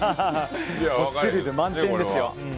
スリル満点ですよ。